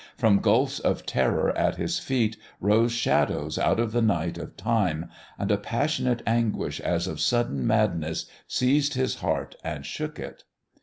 From gulfs of terror at his feet rose shadows out of the night of time, and a passionate anguish as of sudden madness seized his heart and shook it.